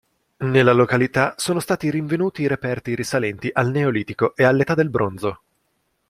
Nella località sono stati rinvenuti reperti risalenti al Neolitico e all'Età del Bronzo.